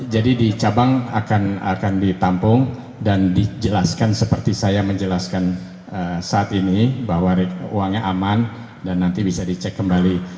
jadi di cabang akan ditampung dan dijelaskan seperti saya menjelaskan saat ini bahwa uangnya aman dan nanti bisa dicek kembali